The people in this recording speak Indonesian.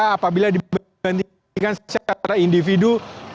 apabila dibandingkan secara individu